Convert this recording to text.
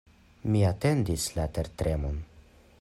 Mi atendis la tertremon.